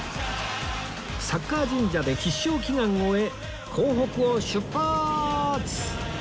サッカー神社で必勝祈願を終え港北を出発！